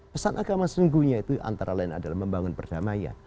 pesan agama sesungguhnya itu antara lain adalah membangun perdamaian